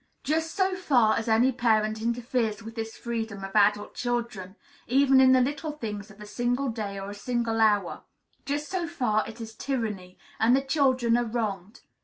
Just so far as any parent interferes with this freedom of adult children, even in the little things of a single day or a single hour, just so far it is tyranny, and the children are wronged.